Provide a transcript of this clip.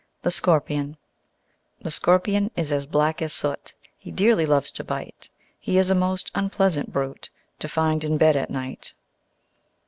The Scorpion The Scorpion is as black as soot, He dearly loves to bite; He is a most unpleasant brute To find in bed, at night.